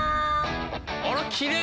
あらきれい！